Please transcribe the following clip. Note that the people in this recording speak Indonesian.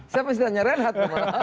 siapa yang tanya renhad